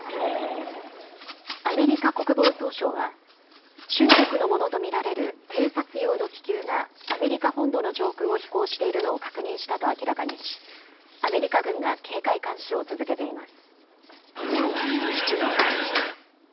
アメリカ国防総省は中国のものと見られる偵察用の気球がアメリカ本土の上空を飛行しているのを確認したと明らかにしアメリカ軍が警戒監視を続けています。